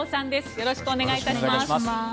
よろしくお願いします。